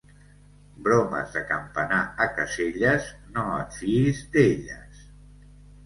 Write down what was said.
Bromes de Campanar a Caselles, no et fiïs d'elles.